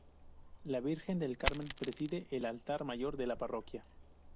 La Virgen del Carmen preside el Altar Mayor de la Parroquia.